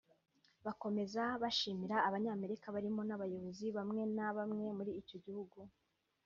Bakomeza bashimira Abanyamerika barimo n’abayobozi bamwe na bamwe muri icyo gihugu